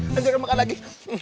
lanjutkan makan lagi